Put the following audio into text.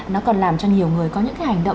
nó còn làm cho nhiều người có những cái hành động